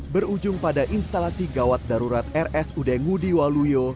berujung pada instalasi gawat darurat rsud ngudi waluyo